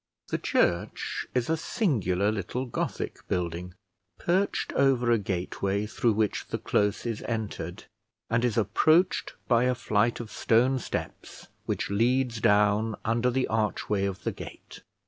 The church is a singular little Gothic building, perched over a gateway, through which the Close is entered, and is approached by a flight of stone steps which leads down under the archway of the gate.